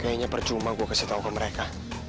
kayaknya percuma gue kasih tau ke mereka